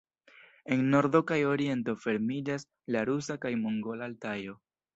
En nordo kaj oriento fermiĝas la rusa kaj mongola Altajo.